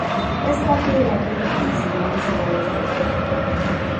Es parte de la Red Internacional de Ciudades Refugio.